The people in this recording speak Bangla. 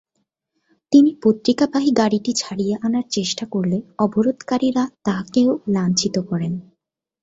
তিনি পত্রিকাবাহী গাড়িটি ছাড়িয়ে আনার চেষ্টা করলে অবরোধকারীরা তাঁকেও লাঞ্ছিত করেন।